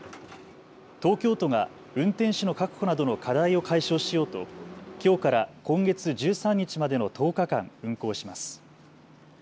東京都が運転手の確保などの課題を解消しようときょうから今月１３日までの１０日間、運行します。